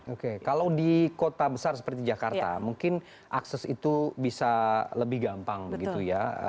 oke kalau di kota besar seperti jakarta mungkin akses itu bisa lebih gampang begitu ya